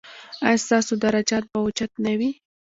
ایا ستاسو درجات به اوچت نه وي؟